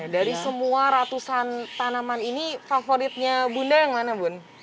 dari semua ratusan tanaman ini favoritnya bunda yang mana bun